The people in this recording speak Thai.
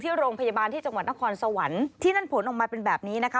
โรงพยาบาลที่จังหวัดนครสวรรค์ที่นั่นผลออกมาเป็นแบบนี้นะคะ